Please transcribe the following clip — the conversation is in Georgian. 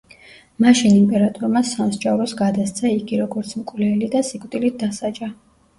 მაშინ იმპერატორმა სამსჯავროს გადასცა იგი, როგორც მკვლელი და სიკვდილით დასაჯა.